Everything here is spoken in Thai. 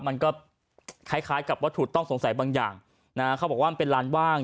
มันก็คล้ายคล้ายกับวัตถุต้องสงสัยบางอย่างนะฮะเขาบอกว่ามันเป็นลานว่าง